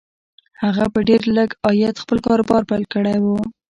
هغه په ډېر لږ عاید خپل کاروبار پیل کړی و